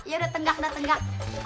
yaudah tenggak tenggak